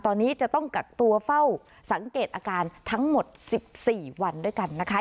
ตอนนี้จะต้องกักตัวเฝ้าสังเกตอาการทั้งหมด๑๔วันด้วยกันนะคะ